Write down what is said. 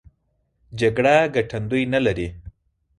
جګړه ګټندوی نه لري.